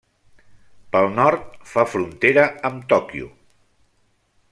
Pel nord, fa frontera amb Tòquio.